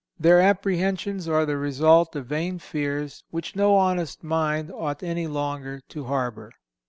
Their apprehensions are the result of vain fears, which no honest mind ought any longer to harbor.